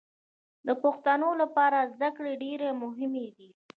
د پښتنو لپاره زدکړې ډېرې مهمې دي